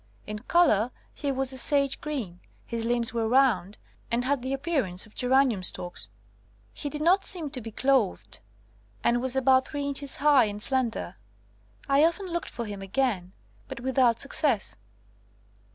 In colour he was a sage green, his limbs were round and had the appearance of geranium stalks. He did not seem to be clothed, and was about three inches high and slender. I 165 THE COMING OF THE FAIRIES often looked for him again, but without suc cess."